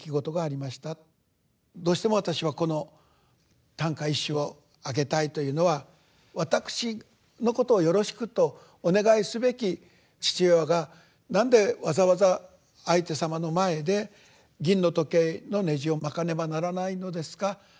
どうしても私はこの短歌一首を挙げたいというのはわたくしのことをよろしくとお願いすべき父親が何でわざわざ相手様の前で銀の時計のねじを捲かねばならないのですか。